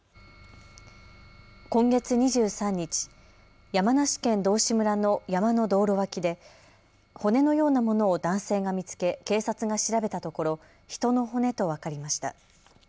今月２３日、山梨県道志村の山の道路脇で骨のようなものを男性が見つけ警察が調べたところ人の骨と分かりました。